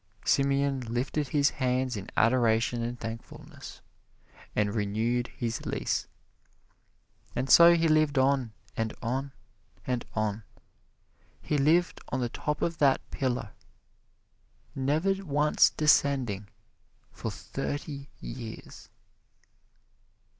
Simeon lifted his hands in adoration and thankfulness and renewed his lease. And so he lived on and on and on he lived on the top of that pillar, never once descending, for thirty years.